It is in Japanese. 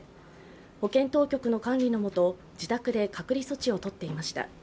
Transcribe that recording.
保健当局の管理の下、自宅で隔離措置をとっていました。